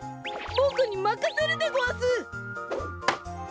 ボクにまかせるでごわす！